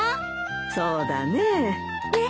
そうだねえ。